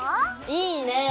いいねぇ！